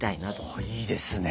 おいいですね。